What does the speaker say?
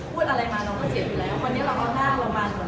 พูดอะไรมาเราก็เสียผิดแล้ววันนี้เราเอาหน้าเราวานผล